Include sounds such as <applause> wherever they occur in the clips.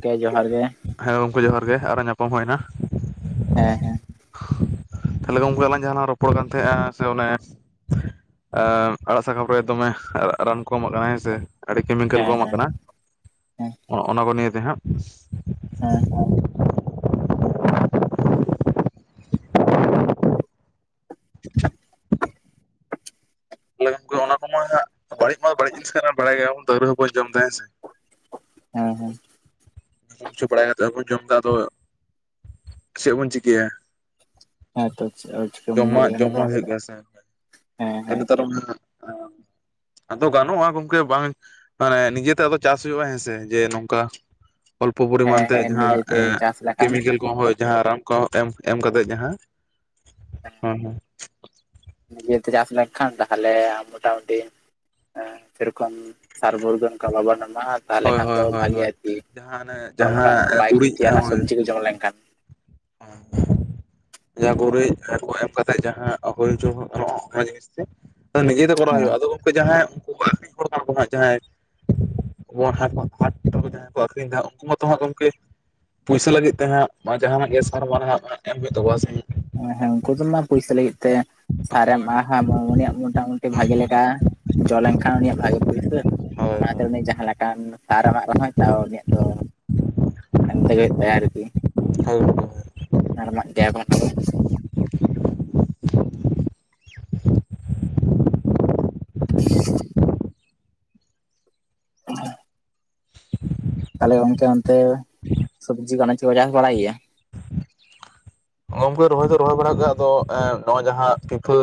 -ᱠᱮ ᱡᱚᱦᱟᱨ ᱜᱮ, ᱦᱮᱸ ᱜᱚᱝᱠᱮ ᱡᱚᱦᱟᱨ ᱜᱮ, ᱟᱨᱚ ᱧᱟᱯᱟᱢ ᱦᱩᱭᱱᱟ᱾ ᱦᱮᱸ ᱦᱮᱸ, ᱛᱟᱞᱮ ᱜᱚᱝᱠᱮ ᱟᱞᱟᱝ ᱡᱟᱦᱟᱸ ᱞᱟᱝ ᱨᱚᱯᱚᱲ ᱠᱟᱱ ᱛᱟᱦᱮᱼᱟ, ᱥᱮ ᱚᱱᱮ ᱟᱲᱟᱜ ᱥᱟᱠᱟᱢ ᱨᱮ ᱫᱚᱢᱮ ᱨᱟᱱ ᱠᱚ ᱮᱢᱚᱜ ᱠᱟᱱᱟ ᱦᱮᱸ ᱥᱮ, ᱟᱹᱰᱤ ᱠᱮᱢᱤᱠᱮᱞ ᱠᱚ ᱦᱮᱸ ᱮᱢᱚᱜ ᱦᱮᱸ ᱠᱟᱱᱟ, ᱦᱮᱸ ᱚ ᱚᱱᱟ ᱠᱚ ᱱᱤᱭᱮ ᱛᱮ ᱦᱟᱸᱜ? ᱦᱮᱸ <unintelligible> ᱛᱟᱞᱮ ᱜᱚᱝᱠᱮ ᱚᱱᱟ ᱠᱚᱢᱟ ᱦᱟᱜ, ᱵᱟᱹᱲᱤᱡ ᱢᱟ ᱵᱟᱹᱲᱤᱡ ᱡᱤᱱᱤᱥ ᱠᱟᱱᱟ, ᱵᱟᱲᱟᱭ ᱜᱮᱭᱟ ᱵᱚᱱ ᱛᱟᱣ ᱨᱮ ᱦᱚᱸ ᱵᱚᱱ ᱡᱚᱢ ᱮᱫᱟ ᱦᱮᱸ ᱥᱮ᱾ ᱦᱮᱸ ᱦᱮᱸ, ᱪ ᱵᱟᱲᱟᱭ ᱠᱟᱛᱮᱫ ᱦᱚ ᱵᱚᱱ ᱡᱚᱢ ᱮᱫᱟ, ᱟᱫᱚ ᱪᱮᱫ ᱵᱚᱱ ᱪᱤᱠᱟᱹᱭᱟ᱾ ᱦᱮᱸ ᱛᱚ <unintelligible> ᱡᱚᱢᱟᱜ ᱫᱟᱲᱮᱭᱟᱜᱼᱟ ᱚᱸᱰᱮ ᱫᱚ ᱡᱚᱢᱟᱜ ᱦᱩᱭᱩᱜ ᱜᱮᱭᱟ ᱥᱮ, ᱦᱮᱸ ᱦᱮᱸ ᱱᱮᱛᱟᱨ ᱚᱱᱟ ᱟᱫᱚ ᱜᱟᱱᱚᱜᱼᱟ ᱜᱚᱝᱠᱮ ᱵᱟᱝ ᱢᱟᱱᱮ, ᱱᱤᱡᱮ ᱛᱮ ᱟᱫᱚ ᱪᱟᱥ ᱦᱩᱭᱩᱜᱼᱟ ᱦᱮᱸᱥᱮ, ᱡᱮ ᱱᱚᱝᱠᱟ ᱚᱞᱯᱚ ᱯᱚᱨᱤᱢᱟᱱ ᱦᱮᱸ ᱛᱮ ᱦᱮᱸ ᱡᱟᱦᱟᱸ ᱮ, ᱱᱤᱡᱮᱛᱮ ᱪᱟᱥ ᱞᱮᱠᱷᱟᱱ ᱠᱮᱢᱤᱠᱮᱞ ᱠᱚ ᱦᱚᱸ ᱡᱟᱦᱟᱸ ᱨᱟᱱ ᱠᱚ ᱮᱢ ᱮᱢ ᱠᱟᱛᱮ ᱡᱟᱦᱟᱸ, ᱦᱮᱸ ᱦᱮᱸ, ᱱᱤᱡᱮ ᱛᱮ ᱪᱟᱥ ᱞᱮᱱ ᱠᱷᱟᱱ ᱛᱟ ᱦᱚᱞᱮ ᱢᱚᱴᱟ ᱢᱩᱴᱤ, ᱮ ᱥᱮᱨᱚᱠᱚᱢ ᱥᱟᱨ ᱢᱩᱨᱟᱹᱱ ᱠᱚ ᱵᱟᱵᱚᱱ ᱮᱢᱟᱜᱼᱟ᱾ ᱛᱟᱦᱚᱞᱮ ᱦᱳᱭ ᱠᱷᱟᱱ ᱦᱳᱭ ᱫᱚ ᱦᱳᱭ ᱵᱷᱟᱜᱤ ᱟ ᱦᱳᱭ ᱟᱨᱠᱤ, ᱡᱟᱦᱟᱸ ᱚᱱᱮ ᱦᱚᱲᱢ ᱴᱟᱜ ᱩᱱᱟᱹᱜ ᱡᱟᱦᱟᱸ ᱵᱟᱭ ᱜᱩᱨᱤᱡ ᱠᱷᱚᱛᱤᱭᱟ ᱚᱱᱟ ᱥᱚᱵᱡᱤ ᱠᱚ ᱡᱚᱢ ᱞᱮᱱᱠᱷᱟᱱ᱾ ᱦᱟᱸ, ᱡᱟᱦᱟᱸ ᱜᱩᱨᱤᱡ ᱯᱷᱮᱴ ᱠᱚ ᱮᱢ ᱠᱟᱛᱮᱜ, ᱡᱟᱦᱟᱸ ᱦᱩᱭ ᱦᱚᱪᱚ ᱦᱚᱜ ᱜᱟᱱᱚᱼᱟ ᱢᱚᱡ ᱜᱮᱥᱮ, ᱛᱵᱮ ᱱᱤᱡᱮ ᱫᱚ ᱠᱚᱨᱟᱣ ᱦᱮᱸ ᱦᱩᱭᱩᱜᱼᱟ, ᱟᱫᱚ ᱜᱚᱝᱠᱮ ᱡᱟᱦᱟᱭ ᱩᱱᱠᱩ <unintelligible> ᱦᱚᱲ ᱠᱟᱱᱟ ᱠᱚ ᱡᱟᱦᱟᱸᱭ ᱠᱚ ᱦᱟᱸᱜ ᱡᱟᱦᱟᱸᱭ, ᱟᱵᱚ ᱦᱟᱴᱟ <unintelligible> ᱡᱟᱦᱟᱸᱭ ᱠᱚ ᱟᱠᱷᱨᱤᱧ ᱛᱟᱦᱮᱫ ᱩᱱᱠᱩ ᱢᱟᱛᱚ ᱦᱟᱸᱜ ᱜᱚᱝᱠᱮ, ᱯᱩᱭᱥᱟᱹ ᱞᱟᱹᱜᱤᱫ ᱛᱮ ᱦᱟᱸᱜ, ᱱᱚᱣᱟ ᱡᱟᱦᱟᱸᱱᱟᱜ ᱜᱮ ᱥᱟᱨ-ᱢᱟᱨ ᱨᱮ ᱦᱟᱸᱜ ᱮᱢ ᱦᱩᱭᱩᱜ ᱛᱟᱠᱚᱚᱣᱟ ᱥᱮ᱾ ᱦᱮᱸ ᱦᱮᱸ ᱩᱱᱠᱩ ᱫᱚᱢ ᱟ ᱯᱩᱭᱥᱟᱹ ᱞᱟᱹᱜᱤᱛ ᱛᱮ ᱥᱟᱨᱮᱢ ᱦᱳᱭ ᱟ ᱦᱮᱸ ᱩᱱᱤᱭᱟᱜ ᱢᱚᱴᱟᱢᱩᱴᱤ ᱵᱷᱟᱜᱤ ᱞᱮᱠᱟ ᱡᱚ ᱞᱮᱱᱠᱷᱟᱱ ᱩᱱᱤᱭᱟᱜ ᱵᱷᱟᱜᱤ ᱯᱩᱭᱥᱟᱹ ᱦᱳᱭ ᱚᱱᱟᱛᱮ ᱩᱱᱤ ᱡᱟᱦᱟᱸ ᱞᱮᱠᱟᱱ ᱥᱟᱨ ᱮᱢᱟᱜ ᱨᱮᱦᱚᱸ ᱛᱟᱣ ᱩᱱᱤᱭᱟᱜ ᱫᱚ᱾ ᱮᱢ ᱛᱮᱜᱮ ᱦᱳᱭᱳᱜ ᱛᱟᱭᱟ ᱟᱹᱨᱠᱤ ᱾ <unintelligible> ᱟᱨ ᱮᱢᱟᱜ ᱜᱮᱭᱟ ᱵᱚᱱ ᱟᱵᱚ᱾ <inaudible> <inaudible> <inaudible> ᱛᱟᱦᱚᱸᱞᱮ ᱜᱚᱝᱠᱮ ᱚᱱᱛᱮ ᱥᱚᱵᱽᱡᱤ ᱟᱱᱟᱡᱽ ᱠᱚ ᱠᱚ ᱪᱟᱥ ᱵᱟᱲᱟᱭ ᱜᱮᱭᱟ? ᱜᱚᱝᱠᱮ ᱨᱚᱦᱚᱭ ᱫᱚ ᱨᱚᱦᱚᱭ ᱵᱟᱲᱟᱜ ᱜᱮ ᱟᱫᱚ ᱮ, ᱱᱚᱜ-ᱚᱭ ᱡᱟᱦᱟᱸ ᱯᱤᱯᱷᱳ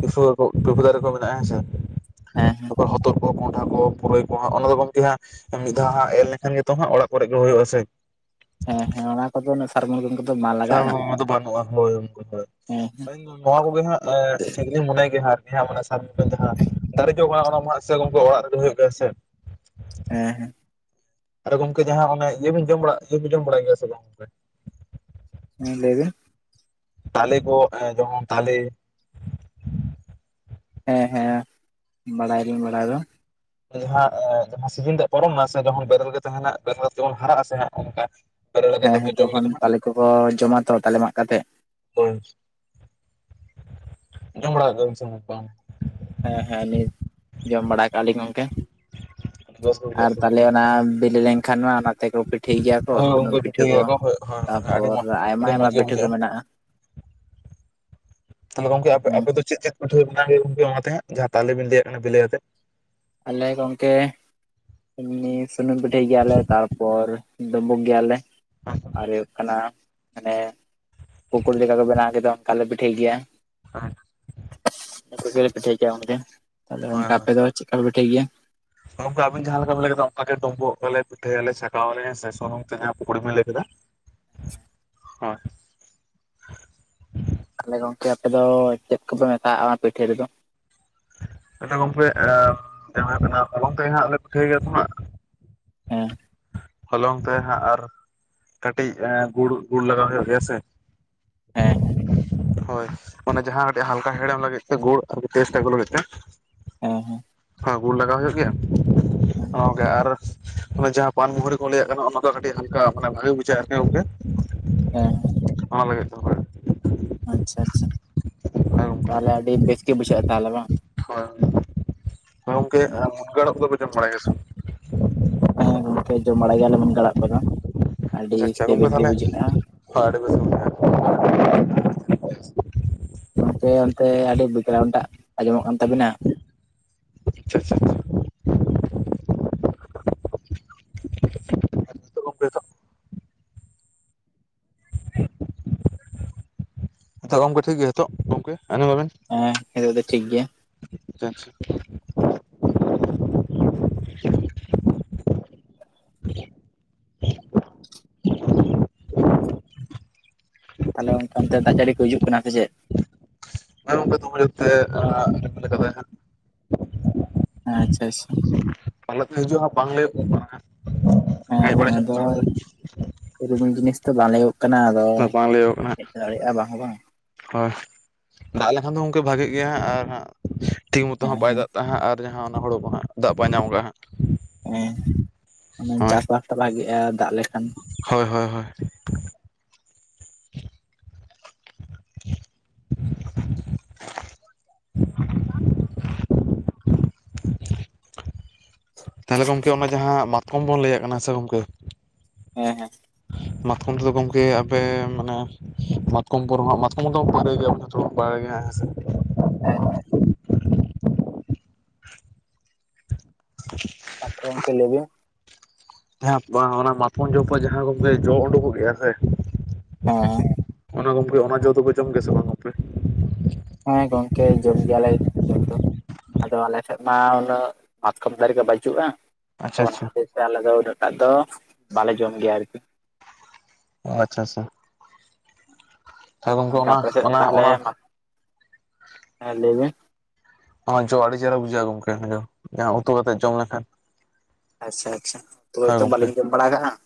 ᱯᱤᱯᱷᱳ ᱯᱤᱯᱷᱳ ᱫᱟᱨᱮ ᱠᱚ ᱢᱮᱱᱟᱜ-ᱟ ᱦᱮᱸᱥᱮ ᱦᱮᱸ ᱛᱟᱯᱚᱨ ᱦᱚᱛᱚᱫ᱾ ᱠᱚᱚᱱᱰᱷᱟ ᱠᱚ ᱯᱩᱨᱟᱹᱭ ᱠᱚ ᱦᱟᱸᱜ ᱚᱱᱟ ᱫᱚ ᱜᱚᱝᱠᱮ ᱦᱟᱸᱜ ᱢᱤᱫ ᱫᱷᱟᱣ ᱦᱟᱸᱜ ᱮᱨ ᱞᱮᱠᱷᱟᱱ ᱜᱮᱛᱚ ᱦᱟᱸᱜ ᱚᱲᱟᱜ ᱠᱚᱨᱮᱜ ᱜᱮ ᱦᱩᱭᱩᱜ-ᱟ ᱥᱮ᱾ ᱦᱮᱸ ᱦᱮᱸ ᱚᱱᱟ᱾ ᱠᱚᱫᱚ ᱥᱟᱨ-ᱢᱟᱨ ᱠᱚᱫᱚ ᱵᱟᱝ ᱥᱟᱨ ᱞᱟᱜᱟᱜᱼᱟ ᱱᱚᱣᱟ ᱫᱚ ᱵᱟᱹᱱᱩᱜ-ᱟ ᱦᱳᱭ ᱩᱱᱠᱩ ᱫᱚᱧ, ᱦᱮᱸ ᱟᱹᱞᱤᱧ ᱫᱚ ᱱᱚᱣᱟ ᱠᱚᱜᱮ ᱦᱟᱸᱜ ᱞᱮ ᱴᱷᱤᱠ ᱞᱤᱧ ᱢᱚᱱᱮ ᱜᱮᱭᱟ ᱦᱟᱸᱜ ᱟᱨ ᱠᱤ <unintelligible> ᱫᱟᱨᱮ ᱡᱚᱜ ᱠᱟᱱᱟ ᱚᱱᱟ ᱢᱟ ᱥᱮ ᱜᱚᱝᱠᱮ ᱚᱲᱟᱜ ᱨᱮ ᱜᱮ ᱦᱩᱭᱩᱜ ᱜᱮᱭᱟ ᱥᱮ᱾ ᱦᱮᱸ ᱾ ᱟᱨ ᱜᱚᱝᱠᱮ ᱡᱟᱦᱟᱸ ᱚᱱᱮ ᱤᱭᱟᱹ ᱵᱮᱤᱱ ᱡᱚᱢ ᱵᱟᱲᱟ ᱤᱭᱟᱹ ᱵᱮᱤᱱ ᱡᱚᱢ ᱵᱟᱲᱟᱭ ᱜᱮᱭᱟ ᱥᱮ ᱜᱚᱝᱠᱮ᱾ ᱦᱮᱸ ᱞᱟᱹᱭ ᱵᱤᱱ᱾ ᱛᱟᱞᱮ ᱠᱚ ᱡᱮᱢᱚᱱ ᱛᱟᱞᱮ᱾ ᱦᱮᱸ ᱦᱮᱸ ᱵᱟᱲᱟᱭᱟᱞᱤᱧ ᱵᱟᱲᱟᱭ ᱫᱚ᱾ ᱡᱟᱦᱟᱸ ᱮ ᱡᱟᱦᱟᱸ ᱥᱤᱡᱤᱱ ᱛᱮ ᱯᱟᱨᱚᱢ ᱱᱟ ᱥᱮ ᱡᱚᱠᱷᱚᱱ ᱵᱮᱨᱮᱞ ᱜᱮ ᱛᱟᱦᱮᱸᱱᱟ ᱵᱮᱨᱮᱞ ᱛᱮᱢᱚᱱ ᱦᱟᱨᱟᱜ ᱟᱥᱮ ᱚᱱᱠᱟ᱾ ᱵᱮᱨᱮᱞ ᱦᱮᱸ ᱠᱟᱛᱮ ᱦᱮᱸ ᱡᱚᱢ ᱛᱚᱠᱷᱚᱱ ᱜᱮᱫᱚ ᱦᱟᱸᱜ ᱛᱟᱞᱮ ᱠᱚ ᱠᱚ ᱡᱚᱢᱟ ᱛᱚ ᱛᱟᱞᱮ ᱢᱟᱜ ᱠᱟᱛᱮᱜ᱾ ᱦᱳᱭ ᱡᱚᱢ ᱵᱟᱲᱟ ᱠᱟᱜ ᱜᱮᱭᱟ ᱵᱤᱱ ᱥᱮ ᱵᱟᱝ? ᱦᱮᱸ ᱦᱮᱸ ᱱᱤᱛ ᱡᱚᱢ ᱵᱟᱲᱟ ᱠᱟᱜ-ᱟ ᱞᱤᱧ ᱜᱚᱝᱠᱮ ᱵᱮᱥ ᱜᱮ ᱵᱩᱡᱷᱟᱹᱜᱼᱟ ᱟᱨ ᱥᱮ ᱛᱟᱦᱚᱸᱞᱮ ᱾ ᱚᱱᱟ ᱵᱤᱞᱤ ᱞᱮᱱᱠᱷᱟᱱ ᱢᱟ ᱚᱱᱟ᱾ ᱛᱮ ᱠᱚ ᱯᱤᱴᱷᱟᱹᱭ ᱜᱮᱭᱟ ᱠᱚ ᱦᱳᱭ ᱥᱩᱱᱩᱢ ᱜᱚᱝᱠᱮ ᱯᱤᱴᱷᱟᱹ ᱠᱚ ᱜᱮᱭᱟ ᱦᱳᱭ ᱦᱳᱭ ᱟᱹᱰᱤ ᱛᱟᱯᱚᱨ ᱢᱚᱸᱡᱽ ᱟᱭᱢᱟ ᱟᱹᱰᱤ ᱢᱚᱸᱡᱽ ᱟᱭᱢᱟ ᱜᱮ ᱯᱤᱴᱷᱟᱹ ᱠᱚ ᱵᱩᱡᱷᱟᱹᱜᱼᱟ ᱢᱮᱱᱟᱜ-ᱟ᱾ ᱛᱟᱦᱚᱸᱞᱮ ᱜᱚᱝᱠᱮ ᱟᱯᱮ ᱟᱯᱮ ᱫᱚ ᱪᱮᱫ ᱪᱮᱫ ᱯᱤᱴᱷᱳᱣᱟᱹ ᱵᱮᱱᱟᱣ ᱦᱩᱭᱩᱜ-ᱟ ᱜᱚᱝᱠᱮ ᱚᱱᱟᱛᱮ ᱦᱟᱸᱜ ᱡᱟᱦᱟᱸ ᱛᱟᱞᱮ ᱵᱤᱱ ᱞᱟᱹᱭᱟᱜ ᱠᱟᱱᱟ ᱵᱤᱞᱟᱹᱭ ᱟᱛᱮᱜ᱾ ᱟᱞᱮ ᱜᱚᱝᱠᱮ ᱮᱢᱱᱤ ᱥᱩᱱᱩᱢ ᱯᱤᱴᱷᱟᱹᱭ ᱜᱮᱭᱟᱞᱮ ᱛᱟᱨᱯᱚᱨ ᱰᱩᱵᱩᱜ ᱜᱮᱭᱟᱞᱮ, ᱟᱨ ᱦᱳᱭᱳᱜ ᱠᱟᱱᱟ ᱢᱟᱱᱮ ᱯᱚᱠᱩᱲᱤ ᱞᱮᱠᱟ ᱠᱚ ᱵᱮᱱᱟᱣ ᱜᱮᱫᱚ ᱚᱱᱠᱟᱞᱮ ᱯᱤᱴᱷᱟᱹᱭ ᱜᱮᱭᱟ᱾ ᱤᱱᱟᱹ ᱠᱚᱜᱮᱞᱮ ᱯᱤᱴᱷᱟᱹᱭ ᱜᱮᱭᱟ ᱜᱚᱝᱠᱮ, ᱛᱟᱦᱚᱸᱞᱮ ᱚᱱᱠᱟ ᱟᱯᱮ ᱫᱚ ᱪᱮᱫᱠᱟ ᱯᱤᱴᱷᱟᱹᱭ ᱜᱮᱭᱟ? ᱱᱚᱝᱠᱟ ᱟᱹᱵᱤᱱ ᱡᱟᱦᱟᱸ ᱞᱮᱠᱟ ᱵᱤᱱ ᱞᱟᱹᱭ ᱠᱮᱫᱟ ᱚᱱᱠᱟ ᱜᱮ ᱰᱩᱸᱵᱳᱜ ᱟᱞᱮ ᱯᱤᱴᱷᱟᱹᱭᱟᱞᱮ ᱪᱷᱟᱠᱟᱣᱟᱞᱮ ᱦᱮᱸ ᱥᱮ ᱥᱩᱱᱩᱢ ᱛᱮ ᱡᱟᱦᱟᱸ ᱯᱩᱠᱲᱤ ᱵᱤᱱ ᱞᱟᱹᱭ ᱠᱮᱫᱟ᱾ ᱦᱮᱸ᱾ ᱛᱟᱦᱚᱸᱞᱮ ᱜᱚᱝᱠᱮ ᱟᱯᱮ ᱫᱚ, ᱪᱮᱫ ᱠᱚᱯᱮ ᱢᱮᱥᱟᱜ-ᱟ ᱚᱱᱟ ᱯᱤᱴᱷᱟᱹ ᱨᱮᱫᱚ? ᱟᱫᱚ ᱜᱚᱝᱠᱮ ᱮ ᱡᱟᱦᱟᱸ ᱫᱚ ᱱᱟᱜ ᱦᱚᱞᱝ ᱛᱮ ᱦᱟᱸᱜ ᱞᱮ ᱯᱤᱴᱷᱟᱹᱭ ᱜᱮᱭᱟ ᱛᱚ ᱦᱟᱸᱜ᱾ ᱦᱮᱸ, ᱦᱚᱞᱚᱝ ᱛᱮ ᱦᱟᱸᱜ ᱟᱨ ᱠᱟᱹᱴᱤᱡ ᱮ ᱜᱩᱲ ᱜᱩᱲ ᱞᱟᱜᱟᱣ ᱦᱩᱭᱩᱜ ᱜᱮᱭᱟ ᱥᱮ ᱦᱮᱸ ᱦᱮᱸ ᱦᱳᱭ ᱚᱱᱟ ᱡᱟᱦᱟᱸ ᱠᱟᱹᱴᱤᱡ ᱦᱟᱞᱠᱟ ᱦᱮᱲᱮᱢ ᱞᱟᱹᱜᱤᱫ ᱛᱮ ᱜᱩᱲ ᱥᱩᱫᱷᱩ ᱴᱮᱥᱴ ᱟᱹᱜᱩ ᱞᱟᱹᱜᱤᱫ ᱛᱮ᱾ ᱮᱸ ᱦᱮᱸ᱾ ᱦᱮᱸ ᱜᱩᱲ ᱞᱟᱜᱟᱣ ᱦᱩᱭᱩᱜ ᱜᱮᱭᱟ, ᱦᱮᱸ ᱚᱱᱟ ᱠᱚᱜᱮ ᱟᱨ ᱚᱱᱟ ᱡᱟᱦᱟᱸ ᱯᱟᱱ ᱢᱩᱦᱚᱨᱤ ᱠᱚ ᱞᱟᱹᱭᱟᱜ ᱠᱟᱱᱟ ᱚᱱᱟ ᱫᱚ ᱠᱟᱹᱴᱤᱡ ᱦᱟᱞᱠᱟ ᱢᱟᱱᱮ ᱵᱷᱟᱜᱤ ᱵᱩᱡᱷᱟᱹᱜ-ᱟ ᱟᱹᱨᱠᱤ ᱜᱚᱝᱠᱮ? <unintelligible> ᱚᱱᱟ ᱞᱟᱹᱜᱤᱫ ᱛᱮ ᱦᱚᱲ ᱟᱪᱪᱷᱟ ᱟᱪᱪᱷᱟ ᱦᱳᱭ ᱜᱚᱝᱠᱮ ᱛᱟᱦᱚᱞᱮ ᱟᱹᱰᱤ ᱵᱮᱥ ᱜᱮ ᱵᱩᱡᱷᱟᱹᱜᱼᱟ ᱛᱟᱦᱚᱞᱮ ᱵᱟᱝ? ᱦᱳᱭ ᱦᱳᱭ ᱜᱚᱝᱠᱮ ᱢᱩᱱᱜᱟᱹ ᱟᱲᱟᱜ ᱠᱚᱫᱚᱯᱮ ᱡᱚᱢ ᱵᱟᱲᱟᱭ ᱜᱮᱭᱟ ᱥᱮ ᱦᱮᱸ ᱜᱚᱝᱠᱮ ᱡᱚᱢ ᱵᱟᱲᱟᱭ ᱜᱮᱭᱟᱞᱮ ᱢᱩᱱᱜᱟᱹ ᱟᱲᱟᱜ ᱠᱚᱫᱚ ᱟᱹᱰᱤ ᱥᱤᱵᱤᱞ ᱜᱮ ᱵᱩᱡᱷᱟᱹᱜᱼᱟ᱾ ᱦᱚ ᱟᱰᱤ ᱵᱮᱥ ᱜᱮ ᱜᱚᱝᱠᱮ ᱚᱱᱛᱮ ᱟᱹᱰᱤ ᱵᱮᱠᱜᱽᱨᱟᱣᱱᱴ ᱴᱟᱜ ᱟᱸᱡᱚᱢᱚᱜ ᱠᱟᱱ ᱛᱟᱵᱤᱱᱟ ᱟᱪᱪᱷᱟ ᱟᱪᱪᱷᱟ ᱱᱤᱛᱚᱜ ᱜᱚᱝᱠᱮ ᱱᱤᱛᱚᱜ ᱱᱤᱛᱚᱜ ᱜᱚᱝᱠᱮ ᱴᱷᱤᱠ ᱜᱮ ᱱᱤᱛᱚᱜ ᱜᱚᱝᱠᱮ ᱟᱸᱡᱚᱢ ᱫᱟᱵᱮᱱ- ᱦᱮᱸ ᱱᱤᱛᱚᱜ ᱫᱚ ᱴᱷᱤᱠ ᱜᱮᱭᱟ᱾ <unintelligible> ᱛᱟᱦᱚᱞᱮ ᱚᱱᱛᱮ ᱚᱱᱛᱮ ᱫᱟᱜ ᱡᱟᱹᱲᱤ ᱠᱚ ᱦᱤᱡᱩᱜ ᱠᱟᱱᱟ ᱥᱮ ᱪᱮᱫ ᱟᱯᱮ ᱥᱮᱫ ᱱᱚᱜᱭ ᱜᱚᱝᱠᱮ ᱫᱚ <inaudible> ᱫᱚᱦᱚᱭᱟ ᱠᱷᱟᱱ ᱦᱮᱸ ᱟᱪᱪᱷᱟ ᱟᱪᱪᱷᱟ ᱯᱟᱞᱮ ᱛᱮ ᱦᱤᱡᱩᱜᱼᱟ ᱵᱟᱝ ᱞᱟᱹᱭ ᱦᱮᱸ ᱦᱮᱸ ᱟᱫᱚ ᱥᱮ ᱨᱚᱠᱚᱢ ᱡᱤᱱᱤᱥ ᱫᱚ ᱵᱟᱞᱮ ᱦᱩᱭᱩᱜ ᱠᱟᱱᱟ᱾ ᱟᱫᱚ ᱦᱟᱸᱜ ᱵᱟᱝ ᱞᱟᱹᱭᱚᱜ ᱠᱟᱱᱟ ᱦᱮᱡ ᱫᱟᱲᱮᱭᱟᱜᱼᱟ ᱵᱟᱝ ᱦᱚᱸ ᱵᱟᱝ ᱦᱳᱭ ᱫᱟᱜ ᱞᱮᱠᱷᱟᱱ ᱫᱚ ᱜᱚᱢᱠᱮ ᱵᱷᱟᱜᱮᱜ ᱜᱮᱭᱟ ᱦᱟᱸᱜ ᱟᱨ ᱦᱟᱸᱜ ᱴᱷᱤᱠ ᱢᱚᱛᱚ ᱦᱮᱸ ᱦᱟᱸᱜ ᱵᱟᱭ ᱦᱮᱸ ᱫᱟᱜ ᱛᱟᱦᱟᱜ ᱟᱨ ᱡᱟᱦᱟᱸ ᱚᱱᱟ ᱦᱩᱲᱳ ᱠᱚ ᱦᱟᱸᱜ ᱫᱟᱜ ᱵᱟᱭ ᱧᱟᱢ ᱠᱟᱜ ᱦᱟᱸᱜ ᱦᱮᱸ ᱚᱱᱮ ᱦᱳᱭ ᱪᱟᱹᱥᱵᱟᱥ ᱛᱚ ᱵᱷᱟᱜᱤᱜᱼᱟ ᱫᱟᱜ ᱞᱮᱠᱷᱟᱱ ᱦᱳᱭ ᱦᱳᱭ ᱦᱳᱭ <unintelligible> <unintelligible> ᱛᱟᱦᱚᱞᱮ ᱜᱚᱝᱠᱮ ᱚᱱᱟ ᱡᱟᱦᱟᱸ ᱢᱟᱛᱠᱚᱢ ᱵᱚᱱ ᱞᱟᱹᱭᱟᱜ ᱠᱟᱱᱟ ᱥᱮ ᱜᱚᱝᱠᱮ- ᱦᱮᱸ ᱦᱮᱸ ᱢᱟᱛᱠᱚᱢ ᱛᱮ ᱫᱚ ᱜᱚᱝᱠᱮ ᱟᱯᱮ ᱢᱟᱱᱮ ᱢᱟᱛᱠᱚᱢ ᱯᱚᱨ ᱦᱚᱸ ᱦᱟᱜ ᱢᱟᱛᱠᱚᱢ ᱫᱚ <inaudible> ᱜᱮᱭᱟ ᱦᱮᱸᱥᱮ ᱦᱮᱸ <unintelligible> ᱥᱟᱛᱨᱚ ᱚᱝᱠᱮ ᱞᱟᱹᱭᱵᱤᱱ ᱦᱮ, ᱸ ᱵᱟᱝ ᱚᱱᱟ ᱢᱟᱯᱚᱱ ᱡᱚᱯᱚᱡ ᱡᱟᱦᱟᱸ ᱠᱚᱜᱮ ᱡᱚ ᱩᱰᱩᱠᱚᱜ ᱜᱮᱭᱟ ᱥᱮ- ᱦᱮᱸ ᱚᱱᱟ ᱜᱚᱝᱠᱮ ᱚᱱᱟ ᱡᱚ ᱫᱚ ᱯᱮ ᱡᱚᱢ ᱜᱮᱭᱟ ᱥᱮ ᱵᱟᱝ <unintelligible> ᱦᱮᱸ, ᱜᱚᱝᱠᱮ ᱡᱚᱢ ᱜᱮᱭᱟᱞᱮ ᱡᱚᱢ ᱫᱚ. ᱟᱫᱚ ᱟᱞ ᱥᱮᱫ ᱢᱟ ᱩᱱᱟᱹᱜ ᱵᱟᱛᱠᱚᱢ ᱫᱟᱨᱮ ᱠᱚ ᱵᱟᱹᱪᱩᱜᱼᱟ᱾ ᱛᱚ ᱟᱪᱪᱷᱟ ᱚᱱᱟ ᱟᱪᱪᱷᱟ ᱠᱷᱟᱹᱛᱤᱨ ᱛᱮ ᱟᱞᱮ ᱫᱚ ᱩᱱᱟᱹᱜᱴᱟᱜ ᱫᱚ ᱵᱟᱞᱮ ᱡᱚᱢ ᱜᱮᱭᱟ ᱟᱨ ᱠᱤ ᱚ ᱟᱪᱪᱷᱟ ᱟᱪᱪᱷᱟ ᱜᱚᱝᱠᱮ ᱟᱯᱮ ᱥᱮᱫ ᱚᱱᱟ ᱚᱱᱟ ᱦᱮᱸ ᱞᱟᱹᱭᱵᱮᱱ ᱚᱱᱟ ᱡᱚ ᱟᱹᱰᱤ ᱪᱮᱦᱮᱨᱟ ᱵᱩᱡᱷᱟᱹᱜᱼᱟ ᱜᱚᱝᱠᱮ <inaudible> ᱡᱟᱸᱦᱟ ᱩᱛᱩ ᱠᱟᱛᱮᱫ ᱡᱚᱢ ᱞᱮᱠᱷᱟᱱ ᱟᱪᱪᱷᱟ ᱟᱪᱪᱷᱟ ᱦᱳᱭ ᱛᱚᱵᱮ ᱜᱚᱢᱠᱮ ᱵᱟᱹᱞᱤᱧ ᱡᱚᱢ ᱵᱟᱲᱟ ᱟᱠᱟᱜᱼᱟ ᱦᱟᱸᱜ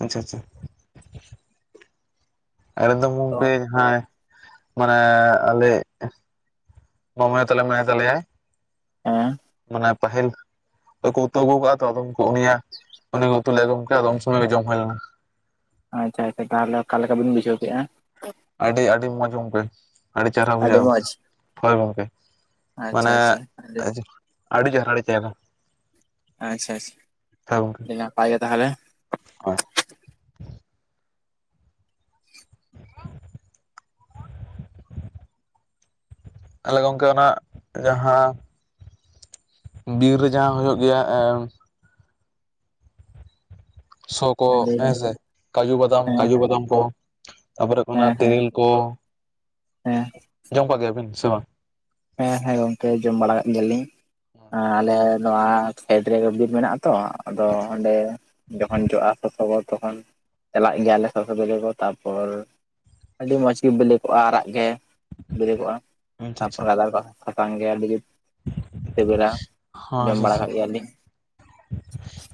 ᱟᱪᱪᱷᱟ ᱟᱪᱪᱷᱟ ᱮᱠᱫᱚᱢ ᱛᱚ ᱜᱚᱝᱠᱮ ᱦᱟᱸᱭ ᱢᱟᱱᱮ ᱟᱞᱮ ᱢᱟᱢᱟᱭᱚ ᱛᱟᱞᱮ ᱢᱮᱟᱱᱟᱭ ᱛᱟᱞᱮᱭᱟᱭ ᱦᱮᱸ ᱢᱟᱱᱮ ᱯᱟᱦᱤᱞ ᱟᱫᱚ ᱠᱚ ᱩᱛᱩ ᱟᱹᱜᱩᱣ ᱠᱟᱜ-ᱟ ᱛᱚ, ᱟᱫᱚ ᱩᱱᱠᱩ ᱩᱱᱤᱭᱟᱜ ᱩᱱᱤ ᱜᱮ ᱩᱛᱩ ᱞᱮ-ᱟ ᱜᱟᱝᱠᱮ ᱟᱫᱚ ᱩᱱ ᱥᱚᱢᱚᱭ ᱜᱮ ᱡᱚᱢ ᱦᱩᱭ ᱞᱮᱱᱟ᱾ ᱟᱪᱪᱷᱟ ᱟᱪᱪᱷᱟ ᱛᱟᱦᱚᱞᱮ ᱚᱠᱟ ᱞᱮᱠᱟ ᱵᱤᱱ ᱵᱩᱡᱷᱣ ᱠᱮᱫᱼᱟ? ᱟᱹᱰᱤ ᱟᱹᱰᱤ ᱢᱚᱸᱡᱽ ᱜᱚᱢᱠᱮ᱾ ᱟᱹᱰᱤ ᱪᱮᱦᱨᱟ ᱵᱩᱡᱷᱟᱹᱜ-ᱟ᱾ ᱦᱳᱭ ᱜᱚᱢᱠᱮ ᱟᱪᱪᱷᱟ ᱢᱟᱱᱮ ᱟᱪᱪᱷᱟ ᱟᱪᱪᱷᱟ ᱟᱹᱰᱤ ᱪᱮᱦᱨᱟ ᱟᱹᱰᱤ ᱪᱮᱨᱦᱟ᱾ ᱟᱪᱪᱷᱟ ᱟᱪᱪᱷᱟ ᱦᱳᱭ ᱜᱚᱝᱠᱮ ᱟᱹᱰᱤ ᱱᱟᱯᱟᱭ ᱜᱮ ᱛᱟᱦᱚᱞᱮ᱾ ᱦᱳᱭ᱾ ᱛᱟᱦᱚᱞᱮ ᱜᱚᱝᱠᱮ ᱚᱱᱟ ᱡᱟᱦᱟᱸ ᱵᱤᱨ ᱨᱮ ᱡᱟᱦᱟᱸ ᱦᱩᱭᱩᱜ ᱜᱮᱭᱟ ᱮᱸ ᱥᱚ ᱠᱚ ᱞᱟᱹᱭ ᱢᱮ ᱦᱮᱸ ᱥᱮ᱾ ᱠᱟᱡᱩ ᱵᱟᱫᱟᱢ ᱦᱮᱸ ᱠᱟᱡᱩ ᱵᱟᱫᱟᱢ ᱠᱚ᱾ ᱛᱟᱯᱚᱨᱮ ᱠᱷᱟᱱ ᱦᱮᱸ ᱟᱨ ᱦᱮᱸ ᱛᱮᱨᱮᱞ ᱠᱚ᱾ ᱦᱮᱸ ᱡᱚᱢ ᱠᱟᱜ ᱜᱮᱭᱟᱵᱤᱱ ᱥᱮ ᱵᱟᱝ? ᱦᱮᱸ ᱦᱮᱸ ᱜᱚᱝᱠᱮ ᱡᱚᱢ ᱵᱟᱲᱟ ᱠᱟᱜ ᱜᱮᱭᱟᱞᱤᱧ᱾ ᱟᱸ ᱟᱞᱮ ᱱᱚᱣᱟ ᱠᱷᱮᱛ ᱨᱮᱜᱮ ᱵᱤᱨ ᱢᱮᱱᱟᱜ ᱟ ᱛᱚ ᱟᱫᱚ ᱚᱸᱰᱮ ᱡᱚᱠᱷᱚᱱ ᱡᱚᱜᱼᱟ ᱥᱚᱥᱚ ᱜᱚᱫ ᱛᱚᱠᱷᱚᱱ ᱪᱟᱞᱟᱜ ᱜᱮᱭᱟᱞᱮ ᱥᱚᱥᱚ ᱠᱟᱫᱚ ᱜᱚᱫᱽ᱾ ᱛᱟᱨᱯᱚᱨ ᱟᱹᱰᱤ ᱢᱚᱡᱽ ᱜᱮ ᱵᱤᱞᱤ ᱠᱚᱜᱼᱟ ᱟᱨᱟᱜ ᱜᱮ, ᱵᱤᱞᱤ ᱠᱚᱜᱼᱟ᱾ ᱟᱪᱪᱷᱟ ᱛᱟᱨᱯᱚᱨ ᱟᱪᱪᱷᱟ ᱜᱟᱫᱟᱨ ᱠᱚ-ᱟ ᱥᱟᱥᱟᱝ ᱜᱮᱭᱟ ᱟᱹᱰᱤᱜᱮ ᱥᱤᱵᱤᱞᱟ ᱦᱚᱸ ᱡᱚᱢ ᱟᱪᱪᱷᱟ ᱵᱟᱲᱟ ᱟᱪᱪᱷᱟ ᱠᱟᱜ ᱜᱮᱭᱟᱞᱤᱧ᱾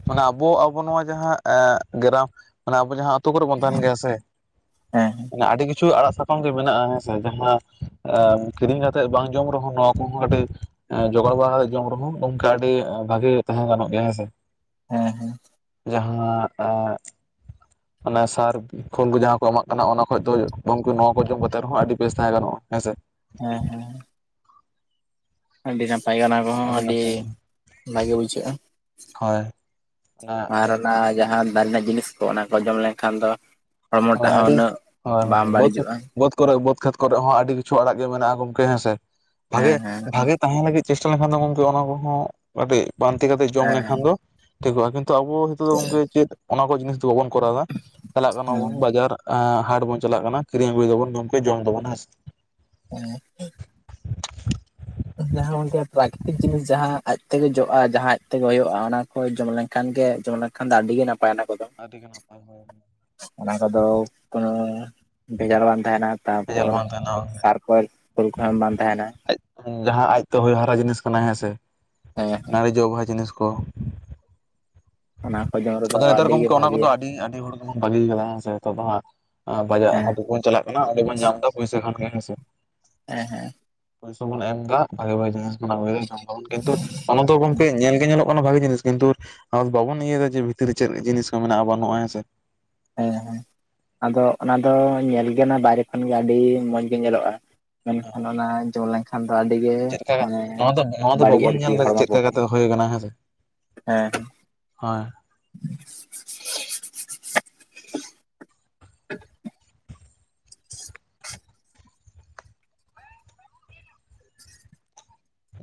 ᱢᱟᱱᱮ ᱟᱵᱚ ᱟᱵᱚ ᱱᱚᱣᱟ ᱡᱟᱦᱟᱸ ᱮᱜ ᱜᱨᱟᱢ ᱢᱟᱱᱮ ᱟᱵᱚ ᱡᱟᱦᱟᱸ ᱟᱹᱛᱩ ᱠᱚᱨᱮ ᱵᱚᱱ ᱛᱟᱦᱮᱱ ᱜᱮᱭᱟ ᱥᱮ᱾ ᱦᱮᱸ ᱢᱟᱱᱮ ᱟᱹᱰᱤ ᱠᱤᱪᱷᱩ ᱟᱲᱟᱜ ᱥᱟᱠ ᱠᱷᱟᱱ ᱜᱮ ᱢᱮᱱᱟᱜᱼᱟ ᱦᱮᱸ ᱥᱮ᱾ ᱡᱟᱦᱟᱸ ᱟ ᱠᱤᱨᱤᱧ ᱠᱟᱛᱮᱜ ᱵᱟᱝ ᱡᱚᱢ ᱨᱮᱦᱚᱸ ᱱᱚᱣᱟ ᱠᱚᱦᱚᱸ ᱠᱟᱴᱤᱡ ᱮᱸ ᱡᱚᱜᱟᱲ ᱵᱟᱲᱟ ᱠᱟᱛᱮ ᱡᱚᱢ ᱨᱮᱦᱚᱸ ᱜᱚᱝᱠᱮ ᱟᱹᱰᱤ ᱮᱸ ᱵᱷᱟᱜᱤ ᱛᱟᱦᱮᱸ ᱜᱟᱱᱚᱜ ᱜᱮᱭᱟ ᱦᱮᱸᱥᱮ᱾ ᱦᱮᱸ ᱦᱮᱸ᱾ ᱡᱟᱦᱟᱸ ᱟ ᱚᱱᱟ ᱥᱟᱨ ᱠᱷᱳᱞ ᱠᱚ ᱡᱟᱦᱟᱸ ᱠᱚ ᱮᱢᱟᱜ ᱠᱟᱱᱟ ᱚᱱᱟ ᱠᱷᱚᱡ ᱫᱚ ᱜᱚᱢᱠᱮ ᱱᱚᱣᱟ ᱠᱚ ᱡᱚᱢ ᱠᱟᱛᱮᱫ ᱨᱮᱦᱚᱸ ᱟᱹᱰᱤ ᱵᱮᱥ ᱛᱟᱦᱮᱸ ᱜᱟᱱᱚᱜᱼᱟ, ᱦᱮᱸ ᱥᱮ? ᱦᱮᱸ ᱦᱮᱸ᱾ ᱟᱹᱰᱤ ᱱᱟᱯᱟᱭ ᱜᱮ ᱚᱱᱟ ᱠᱚᱦᱚᱸ ᱟᱹᱰᱤ ᱵᱷᱟᱜᱮ ᱵᱩᱡᱷᱟᱹᱜᱼᱟ᱾ ᱦᱳᱭ ᱚᱱᱟ ᱟᱨ ᱚᱱᱟ ᱡᱟᱦᱟᱸ ᱫᱟᱨᱮ ᱨᱮᱱᱟᱜ ᱡᱤᱱᱤᱥ ᱠᱚ ᱚᱱᱟ ᱠᱚ ᱡᱚᱢ ᱞᱮᱱᱠᱷᱟᱱ ᱫᱚ ᱦᱚᱲᱢᱚᱴᱟᱜ ᱦᱳᱭ ᱦᱚᱸ ᱩᱱᱟᱹᱜ ᱵᱟᱝ ᱵᱟᱹᱲᱤᱡᱚᱜᱼᱟ᱾ ᱠᱚᱨᱮᱜ ᱵᱟᱹᱫᱽ ᱠᱷᱮᱛ ᱠᱚᱨᱮᱜ ᱦᱚᱸ ᱟᱹᱰᱤ ᱠᱤᱪᱷᱩ ᱟᱲᱟᱜ ᱜᱮ ᱢᱮᱱᱟᱜᱼᱟ ᱜᱚᱢᱠᱮ ᱦᱮᱸᱥᱮ᱾ ᱦᱮᱸ ᱵᱷᱟᱜᱮ ᱦᱮᱸ ᱵᱷᱟᱜᱮ ᱛᱟᱦᱮᱸ ᱞᱟᱹᱜᱤᱫ ᱪᱮᱥᱴᱟ ᱞᱮᱱᱠᱷᱟᱱ ᱫᱚ ᱜᱚᱢᱠᱮ ᱚᱱᱟ ᱠᱚᱦᱚᱸ ᱠᱟᱹᱴᱤᱡ ᱯᱟᱱᱛᱤ ᱠᱟᱛᱮᱜ ᱡᱚᱢ ᱞᱮᱠᱷᱟᱱ ᱦᱮᱸ ᱫᱚ ᱴᱷᱤᱠᱚᱜᱼᱟ ᱠᱤᱱᱛᱩ ᱟᱵᱚ ᱦᱤᱛᱚᱜ ᱫᱚ ᱜᱚᱝᱠᱮ ᱪᱮᱫ ᱚᱱᱟ ᱠᱚ ᱡᱤᱱᱤᱥ ᱫᱚ ᱵᱟᱵᱚᱱ ᱠᱚᱨᱟᱣᱫᱟ᱾ ᱪᱟᱞᱟᱜ ᱠᱟᱱᱟᱵᱚᱱ᱾ ᱦᱮᱸ ᱜᱮ ᱟᱨ ᱮᱸ ᱦᱟᱴ ᱵᱚᱱ ᱪᱟᱞᱟᱜ ᱠᱟᱱᱟ, ᱠᱤᱨᱤᱧ ᱟᱹᱜᱩᱭᱮᱫᱟᱵᱚᱱ ᱜᱚᱢᱠᱮ ᱡᱚᱢ ᱫᱟᱵᱚᱱ, ᱦᱮᱸ ᱥᱮ? ᱦᱮᱸ᱾ ᱡᱟᱦᱟᱸ ᱜᱚᱢᱠᱮ ᱯᱨᱟᱠᱨᱤᱛᱤᱠ ᱡᱤᱱᱤᱥ ᱡᱟᱦᱟᱸ ᱟᱡᱛᱮᱜᱮ ᱡᱚᱜᱼᱟ᱾ ᱡᱟᱦᱟᱸ ᱟᱡᱛᱮᱜᱮ ᱦᱩᱭᱩᱜᱼᱟ ᱚᱱᱟ ᱠᱚ ᱡᱚᱢ ᱞᱮᱱᱠᱷᱟᱱ ᱜᱮ ᱡᱚᱢ ᱞᱮᱱ ᱠᱷᱟᱱ ᱫᱚ ᱟᱹᱰᱤ ᱜᱮ ᱱᱟᱯᱟᱭ ᱚᱱᱟ ᱠᱚᱫᱚ᱾ ᱟᱹᱰᱤᱜᱮ ᱱᱟᱯᱟᱭ ᱦᱳᱭ ᱦᱳᱭ᱾ ᱚᱱᱟ ᱠᱚᱫᱚ ᱠᱳᱱᱳ ᱵᱷᱮᱜᱟᱨ ᱵᱟᱝ ᱛᱟᱦᱮᱱᱟ ᱵᱷᱮᱡᱟᱞ ᱛᱟᱨᱯᱚᱨ ᱵᱟᱝ ᱛᱟᱦᱮᱱᱟ ᱥᱟᱨ <unintelligible> ᱯᱷᱩᱞ ᱠᱚᱦᱚᱸ ᱮᱢ ᱵᱟᱝ ᱛᱟᱦᱮᱱᱟ᱾ ᱟᱡ ᱡᱟᱦᱟᱸ ᱟᱡᱛᱮ ᱦᱚᱭ ᱦᱟᱨᱟ ᱡᱤᱱᱤᱥ ᱠᱟᱱᱟ ᱦᱮᱸ ᱥᱮ᱾ ᱦᱮᱸ ᱚᱱᱟ ᱨᱮ ᱡᱚ ᱵᱟᱦᱟ ᱡᱤᱱᱤᱥ ᱠᱚ ᱚᱱᱟ ᱠᱚ ᱡᱚᱢ ᱨᱮ ᱟᱫᱚ ᱱᱮᱛᱟᱨ ᱜᱚᱝᱠᱮ ᱚᱱᱟ ᱠᱚᱫᱚ ᱟᱹᱰᱤ ᱟᱹᱰᱤ ᱦᱚᱲ ᱜᱮᱵᱚᱱ ᱵᱟᱹᱜᱤᱭᱟ ᱠᱟᱫᱟ ᱦᱮᱸᱥᱮ᱾ ᱱᱤᱛ ᱫᱚ ᱦᱟᱸᱜ ᱵᱟᱡᱟᱜ ᱦᱮᱸ ᱦᱚᱸᱵᱚᱱ ᱪᱟᱞᱟᱜ ᱚᱱᱟ ᱟᱸᱰᱮ ᱵᱚᱱ ᱧᱟᱢᱫᱟ ᱯᱚᱭᱥᱟ ᱠᱷᱟᱱ ᱜᱮ, ᱦᱮᱸᱥᱮ? ᱦᱮᱸ ᱦᱮᱸ᱾ ᱯᱚᱭᱥᱟ ᱵᱚᱱ ᱮᱢ ᱮᱫᱟ, ᱵᱷᱟᱜᱤ ᱵᱷᱟᱜᱤ ᱡᱤᱱᱤᱥ ᱵᱚᱱ ᱟᱹᱜᱩᱭᱟ ᱡᱚᱢᱫᱚᱵᱚᱱ, ᱠᱤᱱᱛᱩ ᱚᱱᱟ ᱫᱚ ᱜᱚᱝᱠᱮ ᱧᱮᱞ ᱧᱮᱞᱚᱜ ᱚᱱᱟ ᱵᱷᱟᱜᱤ ᱡᱤᱱᱤᱥ ᱠᱤᱱᱛᱩ ᱵᱟᱵᱚᱱ ᱤᱭᱟᱹᱭᱫᱟ ᱡᱮ ᱵᱷᱤᱛᱤᱨ ᱨᱮ ᱪᱮᱫ ᱡᱤᱱᱤᱥ ᱠᱚ ᱢᱮᱱᱟᱜᱼᱟ ᱵᱟᱹᱱᱩᱜᱼᱟ, ᱦᱮᱸ ᱥᱮ? ᱦᱮᱸ ᱦᱮᱸ᱾ ᱟᱫᱚ ᱚᱱᱟ ᱫᱚ ᱧᱮᱞᱜ ᱱᱚᱱᱟ ᱵᱟᱭᱨᱮ ᱠᱷᱚᱱᱜᱮ ᱟᱹᱰᱤ ᱢᱚᱡᱽ ᱜᱮ ᱧᱮᱞᱚᱜ-ᱟ᱾ ᱢᱮᱱᱠᱷᱟᱱ ᱚᱱᱟ ᱡᱚᱢ ᱞᱮᱱᱠᱷᱟᱱ ᱠᱷᱟᱱ ᱫᱚ ᱟᱹᱰᱤ ᱜᱮ ᱪᱮᱫ ᱞᱮᱠᱟ ᱢᱟᱱᱮ ᱱᱚᱣᱟ ᱫᱚ ᱱᱚᱣᱟ ᱫᱚ ᱵᱟᱹᱲᱤᱡ ᱵᱟᱵᱚᱱ ᱟᱨᱠᱤ ᱧᱮᱞ ᱮᱫᱟ ᱦᱚᱲᱢᱚ ᱪᱮᱫ ᱞᱮᱠᱟ ᱯᱚᱠᱠᱷᱮ ᱠᱟᱛᱮ ᱦᱩᱭ ᱟᱠᱟᱱᱟ ᱦᱮᱸ ᱥᱮ ᱦᱮᱸ ᱦᱮᱸ᱾ ᱦᱳᱭ <inaudible>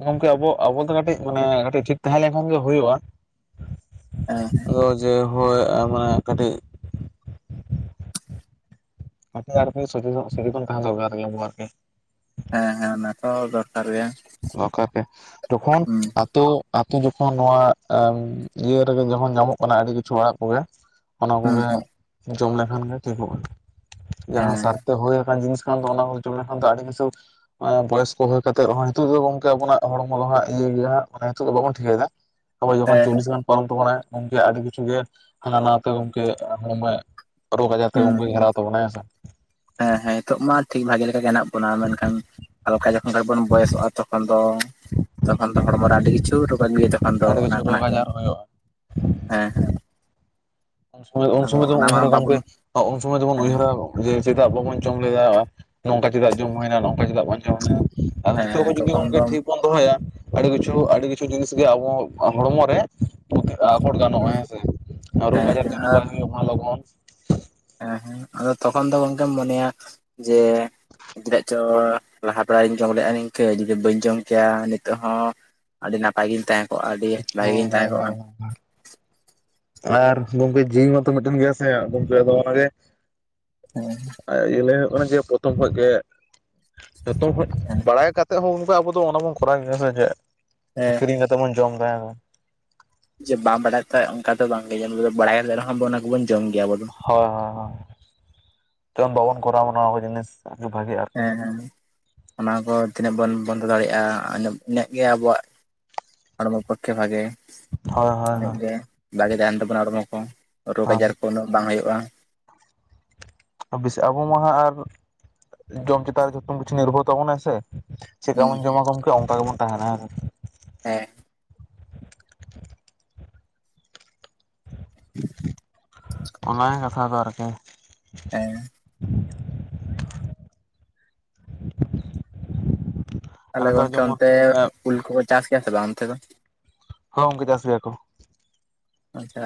ᱜᱚᱝᱠᱮ ᱟᱵᱚ ᱟᱵᱚ ᱫᱚ ᱠᱟᱹᱴᱤᱡ ᱢᱟᱱᱮ ᱠᱟᱹᱴᱤᱡ ᱴᱷᱤᱠ ᱛᱟᱸᱦᱮ ᱞᱮᱱᱠᱷᱟᱱ ᱜᱮ ᱦᱳᱭᱳᱜᱼᱟ ᱾ ᱮ ᱦᱮᱸ᱾ ᱛᱚ ᱡᱮ ᱦᱳᱭ ᱢᱟᱱᱮ ᱠᱟᱹᱴᱤᱡ ᱠᱟᱛᱷᱟ ᱫᱚ ᱟᱨᱠᱤ ᱥᱚᱡᱷᱮ ᱧᱚᱜ ᱥᱮ ᱨᱚᱠᱚᱢ ᱛᱟᱦᱮᱸ ᱫᱚᱨᱠᱟᱨ ᱜᱮ ᱟᱨᱠᱤ ᱦᱮᱸ ᱦᱮᱸ ᱚᱱᱟ ᱠᱚ ᱫᱚᱨᱠᱟᱨ ᱜᱮ᱾ ᱫᱚᱠᱟᱨ ᱯᱮ ᱛᱚᱠᱷᱚᱱ ᱦᱩᱸ ᱟᱛᱳ ᱟᱛᱳ ᱡᱚᱠᱷᱚᱱ ᱱᱚᱣᱟ ᱤᱭᱟᱹ ᱨᱮᱜᱮ ᱡᱚᱠᱷᱚᱱ ᱧᱟᱢᱚᱜ ᱠᱟᱱᱟ᱾ ᱟᱹᱰᱤ ᱠᱤᱪᱷᱩ ᱚᱲᱟᱜ ᱠᱚᱜᱮ ᱚᱱᱟ ᱦᱩᱸ ᱠᱚᱜᱮ ᱦᱩᱸ ᱡᱚᱢ ᱞᱮᱠᱷᱟᱱ ᱜᱮ ᱴᱷᱤᱠᱚᱜᱼᱟ᱾ ᱡᱟᱦᱟᱸ ᱦᱮᱸ ᱥᱟᱨᱛᱮ ᱦᱳᱭ ᱠᱟᱱ ᱡᱤᱱᱤᱥ ᱠᱟᱱ ᱫᱚ ᱚᱱᱟ ᱠᱚ ᱡᱚᱢ ᱞᱮᱠᱷᱟᱱ ᱫᱚ ᱟᱹᱰᱤ ᱠᱤᱥᱩ ᱮᱸ ᱵᱚᱭᱚᱥ ᱠᱚ ᱦᱳᱭ ᱠᱟᱛᱮᱜ ᱨᱮᱦᱚᱸ ᱱᱤᱛᱚᱜ ᱫᱚ ᱜᱚᱝᱠᱮ ᱟᱵᱚᱱᱟᱜ ᱦᱚᱲᱢᱚ ᱫᱚ ᱦᱟᱜ, ᱤᱭᱟᱹᱭ ᱜᱮᱭᱟ ᱦᱟᱜ ᱢᱟᱱᱮ ᱱᱤᱛᱚᱜ ᱫᱚ ᱵᱟᱵᱚᱱ ᱴᱷᱤᱠᱟᱹᱭ ᱫᱟ ᱛᱚ ᱡᱚᱠᱷᱚᱱ ᱦᱮᱸ ᱪᱚᱞᱞᱤᱥ ᱜᱟᱱ ᱯᱟᱨᱚᱢ ᱛᱟᱵᱚᱱᱟᱭ ᱜᱚᱝᱠᱮ ᱟᱹᱰᱤ ᱠᱤᱪᱷᱩ ᱜᱮ ᱦᱟᱱᱟ ᱱᱟᱣᱟ ᱛᱮ ᱜᱚᱝᱠᱮ ᱦᱚᱲᱢᱚᱭ ᱨᱳᱜ ᱟᱡᱟᱨ ᱛᱮ ᱦᱩᱸ ᱜᱚᱝᱠᱮ ᱜᱷᱮᱨᱟᱣ ᱛᱟᱵᱚ ᱱᱟᱭ ᱦᱮᱥᱮ ᱦᱮᱸ ᱦᱮᱸ ᱱᱤᱛᱚᱜ ᱢᱟ, ᱴᱷᱤᱠ ᱵᱷᱟᱜᱮ ᱞᱮᱠᱟ ᱜᱮ ᱦᱮᱱᱟᱜ ᱵᱚᱱᱟ ᱢᱮᱱᱠᱷᱟᱱ ᱟᱠᱟ ᱡᱚ ᱚᱱᱠᱟ ᱵᱚᱱ ᱵᱚᱭᱚᱥᱚᱜᱼᱟ᱾ ᱛᱚᱠᱷᱚᱱ ᱫᱚ ᱛᱚᱠᱷᱚᱱ ᱫᱚ ᱦᱚᱲᱢᱚ ᱨᱮ ᱟᱹᱰᱤ ᱠᱤᱪᱷᱩ ᱨᱳᱜ ᱟᱜᱩᱭᱟᱭ ᱛᱚ ᱛᱚᱠᱷᱟᱱ ᱫᱚ ᱟᱹᱰᱤ ᱚᱱᱟ ᱠᱤᱪᱷᱩ ᱨᱳᱜᱽ ᱠᱷᱚᱱᱟᱜ ᱜᱮ ᱦᱮᱸ ᱟᱡᱟᱨ ᱦᱩᱭᱩᱜᱼᱟ ᱦᱮᱸ᱾ ᱩᱱ ᱥᱚᱢᱚᱭ ᱩᱱ ᱟᱫᱚ ᱥᱚᱢᱚᱭ ᱚᱱᱟ ᱫᱚᱵᱚᱱ ᱢᱟ ᱩᱭᱦᱟᱹᱨᱟ ᱵᱟᱵᱚᱱ ᱜᱚᱝᱠᱮ ᱩᱱ ᱥᱚᱢᱚᱭ ᱫᱚᱵᱚᱱ ᱦᱮᱸ ᱩᱭᱦᱟᱹᱨᱟ ᱡᱮ ᱪᱮᱫᱟᱜ ᱵᱟᱵᱚᱱ ᱡᱚᱢ ᱞᱮᱫᱟ᱾ ᱱᱚᱝᱠᱟ ᱪᱮᱫᱟᱜ ᱡᱚᱢ ᱦᱩᱭᱮᱱᱟ ᱱᱚᱝᱠᱟ ᱪᱮᱫᱟᱜ ᱵᱚᱱ ᱡᱚᱢᱱᱟ᱾ ᱟ ᱱᱤᱛᱚᱜ ᱦᱮᱸ ᱠᱷᱚᱡ ᱡᱩᱫᱤ ᱛᱚᱠᱷᱚᱱ ᱜᱚᱝᱠᱮ ᱫᱚ ᱴᱷᱤᱠ ᱵᱚᱱ ᱫᱚᱦᱚᱭᱟ ᱟᱹᱰᱤ ᱠᱤᱪᱷᱩ ᱟᱹᱰᱤ ᱠᱤᱪᱷᱩ ᱡᱤᱱᱤᱥ ᱜᱮ ᱟᱵᱚ ᱦᱚᱲᱢᱚ ᱨᱮ ᱛᱮ ᱟᱠᱚᱴ ᱜᱟᱱᱚᱜᱼᱟ᱾ ᱦᱮᱸ ᱦᱮᱸᱥᱮ ᱨᱳᱜᱽ ᱟᱡᱟᱨ ᱦᱮᱸ ᱡᱮᱱᱚ ᱟᱨ ᱵᱟᱭ ᱦᱳᱭᱳᱜ ᱢᱟ ᱞᱚᱜᱚᱱ᱾ ᱦᱮᱸ ᱦᱮᱸ ᱟᱫᱚ ᱛᱚᱠᱷᱚᱱ ᱫᱚ ᱜᱚᱝᱠᱮᱢ ᱢᱚᱱᱮᱭᱟ ᱡᱮᱻ ᱪᱮᱫᱟᱜ ᱪᱚ ᱞᱟᱦᱟ ᱛᱟᱣ ᱤᱧ ᱡᱚᱢ ᱞᱮᱜᱼᱟ᱾ ᱱᱤᱝᱠᱟᱹ ᱡᱩᱫᱤ ᱵᱟᱹᱧ ᱡᱚᱢ ᱠᱮᱭᱟ ᱱᱤᱛᱚᱜ ᱦᱚᱸ ᱟᱹᱰᱤ ᱱᱟᱯᱟᱭ ᱜᱤᱧ ᱛᱟᱦᱮᱸ ᱠᱚᱜᱼᱟ᱾ ᱟᱹᱰᱤ ᱵᱷᱟᱹᱜᱤ ᱦᱳᱭ ᱜᱤᱧ ᱛᱟᱦᱮᱸ ᱦᱳᱭ ᱠᱚᱜᱼᱟ ᱦᱳᱭ ᱾ ᱟᱨ ᱜᱚᱝᱠᱮ ᱡᱤᱣᱤ ᱢᱟᱛᱚ ᱢᱤᱫᱴᱤᱱ ᱜᱮᱭᱟ ᱥᱮ ᱜᱚᱝᱠᱮ ᱟᱫᱚ ᱚᱱᱟ ᱜᱮ ᱟ ᱤᱭᱟᱹ ᱞᱟᱹᱭ ᱦᱳᱭᱳᱜ ᱠᱟᱱᱟ ᱡᱮ ᱯᱚᱛᱷᱚᱢ ᱠᱷᱚᱡ ᱜᱮ ᱡᱚᱛᱚ ᱠᱷᱚᱡ <unintelligible> ᱟᱭ ᱠᱟᱛᱮᱜ ᱦᱚᱸ ᱚᱝᱠᱟ, ᱟᱵᱚ ᱫᱚ ᱚᱱᱟ ᱵᱚᱱ ᱠᱚᱨᱟᱣ ᱜᱮᱭᱟ ᱥᱮ ᱡᱮ ᱦᱮᱸ ᱟᱠᱷᱨᱤᱧ ᱠᱟᱛᱮ ᱵᱚᱱ ᱡᱚᱢ ᱫᱟ᱾ ᱡᱮ ᱵᱟᱢ ᱵᱟᱰᱟᱭ ᱛᱟᱦᱮᱸ ᱚᱝᱠᱟ ᱫᱚ ᱵᱟᱝ ᱜᱮ ᱡᱮᱢ ᱵᱟᱲᱟᱭ ᱞᱮ ᱨᱮᱦᱚᱸ ᱵᱚᱱ ᱚᱱᱟ ᱠᱚᱵᱚᱱ ᱡᱚᱢ ᱜᱮᱭᱟ ᱵᱚᱱ᱾ ᱦᱚᱭ ᱦᱚ ᱦᱚ ᱛᱟᱹᱱ ᱵᱟᱵᱚᱱ ᱠᱚᱨᱟᱣ ᱢᱟᱱ ᱱᱚᱣᱟ ᱠᱚ ᱡᱤᱱᱤᱥ᱾ ᱵᱷᱟᱜᱮ ᱟ᱾ ᱦᱮᱸ ᱦᱮᱸ ᱚᱱᱟ ᱠᱚ ᱛᱤᱱᱟᱹᱜ ᱵᱚᱱ ᱵᱚᱱᱫᱚ ᱫᱟᱲᱮᱭᱟᱜᱼᱟ᱾ ᱟᱱᱟᱹᱜ ᱤᱱᱟᱹᱜ ᱜᱮ ᱟᱵᱚᱣᱟᱜ ᱦᱚᱲᱢᱚ ᱯᱚᱠᱠᱷᱮ ᱵᱷᱟᱜᱮ, ᱦᱳᱭ ᱦᱳᱭ ᱤᱱᱟᱹᱜ ᱦᱳᱭ ᱜᱮ ᱵᱷᱟᱜᱮ ᱛᱟᱦᱮᱱ ᱛᱟᱵᱚᱱᱟ ᱦᱚᱲᱢᱚ ᱠᱚ ᱨᱳᱜᱽ ᱟᱡᱟᱨ ᱦᱮᱸ ᱠᱚ ᱩᱱᱟᱹᱜ ᱵᱟᱝ ᱦᱳᱭᱳᱜᱼᱟ ᱾ ᱵᱤᱥ ᱟᱵᱚ ᱢᱟᱦᱟ ᱟᱜ ᱟᱨ ᱡᱚᱢ ᱪᱮᱛᱟᱱ ᱨᱮ ᱡᱚᱛᱷᱚᱢ ᱠᱤᱪᱷᱩ ᱱᱤᱨᱵᱷᱚᱨ ᱛᱟᱵᱚᱱᱟᱭ ᱥᱮ᱾ ᱪᱮᱜ ᱠᱟ ᱦᱩᱸ ᱵᱚᱱ ᱡᱚᱢᱟ ᱜᱚᱝᱠᱮ ᱚᱱᱠᱟ ᱜᱮᱵᱚᱱ ᱛᱟᱦᱮᱱᱟ ᱦᱮᱥᱮ᱾ ᱦᱮᱸ᱾ <inaudible> ᱚᱱᱟ ᱜᱮ ᱠᱟᱛᱷᱟ ᱫᱚ ᱟᱨᱠᱤ᱾ <unintelligible> <unintelligible> ᱛᱟᱦᱚᱞᱮ ᱜᱚᱝᱠᱮ ᱡᱮᱢᱚᱱ ᱚᱱᱛᱮ ᱦᱳᱭ ᱩᱞ ᱠᱚᱠᱚ ᱪᱟᱥ ᱜᱮᱭᱟ ᱥᱮ ᱵᱟᱝ ᱚᱱᱛᱮ ᱫᱚ ᱦᱳ ᱜᱚᱝᱠᱮ ᱪᱟᱥ ᱜᱮᱭᱟ ᱠᱚ᱾ ᱟᱪᱪᱷᱟ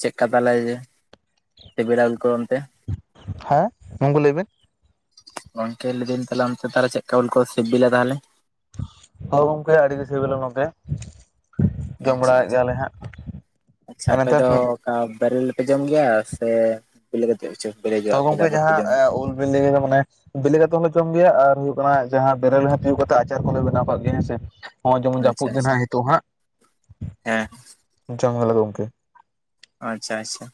ᱪᱮᱫ ᱠᱟ ᱛᱟᱦᱞᱮ ᱡᱮ <unintelligible> ᱠᱚ ᱚᱱᱛᱮ? ᱦᱮᱸ ᱜᱚᱝᱠᱮ ᱞᱟᱹᱭ ᱵᱤᱱ ᱾ ᱜᱚᱢᱠᱮ ᱞᱟᱹᱭ ᱮᱫᱟᱹᱧ ᱛᱟᱦᱞᱮ ᱚᱱᱛᱮ ᱛᱟᱦᱞᱮ ᱪᱮᱜᱠᱟ ᱩᱞ ᱠᱚ ᱥᱤᱵᱤᱞᱟ ᱛᱟᱦᱚᱞᱮ? ᱦᱳᱭ ᱜᱚᱝᱠᱮ ᱟᱹᱰᱤ ᱜᱮ ᱥᱤᱵᱤᱞᱟ ᱜᱚᱝᱠᱮ ᱾ ᱡᱚᱢ ᱟᱪᱪᱷᱟ ᱵᱟᱲᱟᱭᱮᱫ ᱟᱪᱪᱷᱟ ᱜᱮᱭᱟᱞᱮ ᱦᱟᱸᱜ ᱟᱪᱪᱷᱟ <inaudible> ᱟᱨ ᱟᱯᱮ ᱱᱮᱛᱟᱨ ᱫᱚ ᱯᱷᱟᱥ ᱵᱮᱨᱮᱞ ᱯᱮ ᱡᱚᱢ ᱜᱮᱭᱟ ᱥᱮ ᱵᱮᱞᱮ ᱠᱟᱛᱮᱜ ᱦᱚᱪᱚ ᱵᱮᱞᱮ ᱛᱚ ᱚᱪᱚᱣᱟᱜ-ᱟ ᱯᱮ ᱜᱚᱢᱠᱮ ᱛᱟᱯᱚᱨ ᱯᱮ ᱡᱟᱦᱟᱸ ᱡᱚᱢᱟ? ᱩᱞ ᱵᱤᱞᱤ ᱫᱚ ᱢᱟᱱᱮ ᱵᱮᱞᱮ ᱠᱟᱛᱮ ᱦᱚᱸᱞᱮ ᱡᱚᱢ ᱜᱮᱭᱟ ᱟᱨ ᱦᱩᱭᱩᱜ ᱠᱟᱱᱟ ᱡᱟᱦᱟᱸ ᱵᱮᱨᱮᱞ ᱛᱤᱭᱳᱜ ᱠᱟᱛᱮᱜ ᱟᱪᱟᱨ ᱠᱚᱦᱞᱮ ᱵᱮᱱᱟᱣ ᱠᱟᱜ ᱜᱮᱭᱟ ᱦᱮᱸᱥᱮ ᱾ ᱦᱚᱸᱜᱚᱭ ᱡᱮᱢᱚᱱ ᱡᱟᱹᱯᱩᱫ ᱟᱪᱪᱷᱟ ᱫᱤᱱ ᱱᱟᱜ ᱟᱪᱪᱷᱟ ᱱᱤᱛᱚᱜ ᱦᱟᱸᱜ ᱦᱮᱸ <inaudible> ᱡᱚᱢ ᱟᱞᱮ ᱜᱚᱝᱠᱮ ᱾ ᱟᱪᱪᱷᱟ ᱟᱪᱪᱷᱟ ᱾